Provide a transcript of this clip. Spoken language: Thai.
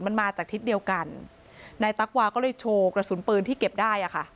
มันมาจากทิศเดียวกันนายตั๊กวาก็เลยโชว์กระสุนปืนที่เก็บได้อ่ะค่ะ